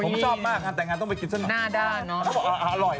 ผมชอบมากกันต้องไปกินสิ่งที่อร่อย